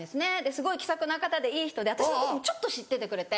すごい気さくな方でいい人で私のこともちょっと知っててくれて。